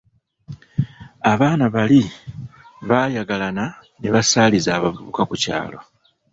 Abaana bali baayagalana ne basaaliza abavubuka ku kyalo.